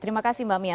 terima kasih mbak mia